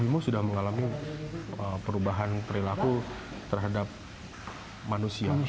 sudah mengalami perubahan perilaku terhadap manusia